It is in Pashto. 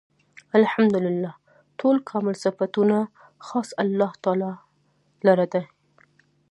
الحمد لله . ټول کامل صفتونه خاص الله تعالی لره دی